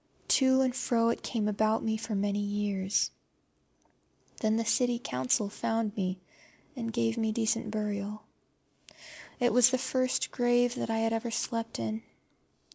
To and fro it came about me for many years. Then the County Council found me, and gave me decent burial. It was the first grave that I had ever slept in.